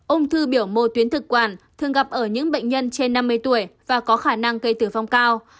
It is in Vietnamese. ung thư biểu mô tuyến thực quản thường gặp ở những bệnh nhân trên năm mươi tuổi và có khả năng gây tử vong cao